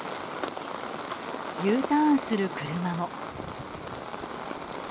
Ｕターンする車も。